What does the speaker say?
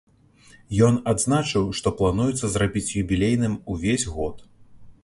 Ён адзначыў, што плануецца зрабіць юбілейным увесь год.